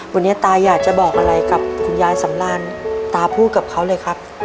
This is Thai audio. วันนี้ตาอยากจะบอกอะไรกับคุณยายสำรานตาพูดกับเขาเลยครับ